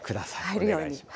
お願いします。